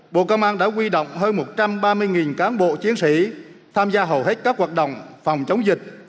bộ công an đã quy động hơn một trăm ba mươi cán bộ chiến sĩ tham gia hầu hết các hoạt động phòng chống dịch